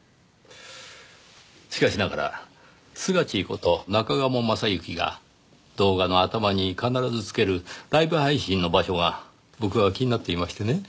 しかしながらスガチーこと中鴨昌行が動画の頭に必ずつけるライブ配信の場所が僕は気になっていましてね。